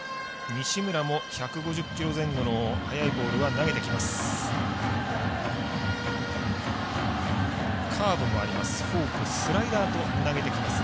西村も１５０キロ前後の速いボールは投げてきます。